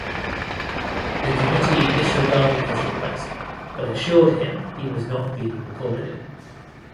The committee disregarded his request but assured him he was not being recorded.